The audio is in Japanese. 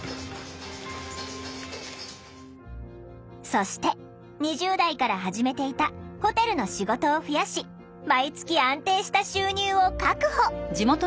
そして２０代から始めていたホテルの仕事を増やし毎月安定した収入を確保！